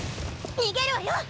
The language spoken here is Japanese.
逃げるわよ！